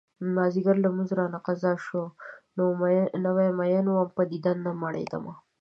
مازديګر لمونځ رانه قضا شو نوی مين وم په دیدن نه مړيدمه